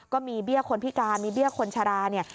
ก็มีเบี้ยคนพิการมีเบี้ยคนชราเนี่ย